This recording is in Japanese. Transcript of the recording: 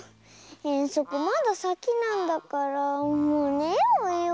えんそくまださきなんだからもうねようよ。